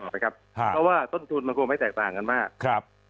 เพราะว่าต้นทุนมันคงไม่แตกต่างกันมาก